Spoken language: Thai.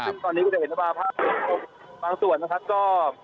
ซึ่งตอนนี้ก็ได้เห็นว่าบางส่วนนะครับก็